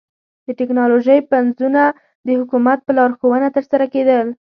د ټکنالوژۍ پنځونه د حکومت په لارښوونه ترسره کېدل.